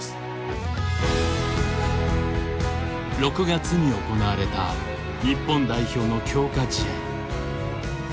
６月に行われた日本代表の強化試合。